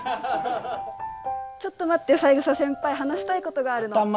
ちょっと待って三枝先輩話したい事があるの。